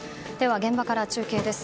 現場から中継です。